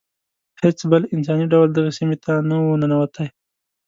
هیڅ بل انساني ډول دغه سیمې ته نه و ننوتی.